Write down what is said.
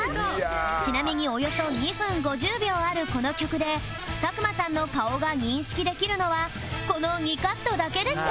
ちなみにおよそ２分５０秒あるこの曲で佐久間さんの顔が認識できるのはこの２カットだけでした